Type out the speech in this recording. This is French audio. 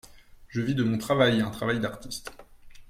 Je vis de mon travail, un travail d'artiste.